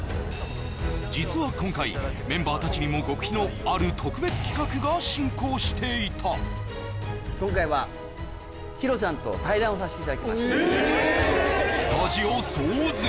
実は今回メンバー達にも極秘のある特別企画が進行していた今回はＨＩＲＯさんと対談をさせていただきましたスタジオ騒然！